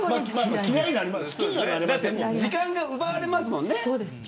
時間が奪われますもんね。